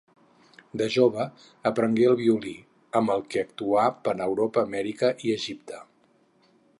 De jove aprengué el violí, amb el que actuà per Europa, Amèrica i Egipte.